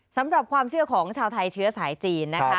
สำหรับความเชื่อของชาวไทยเชื้อสายจีนนะคะ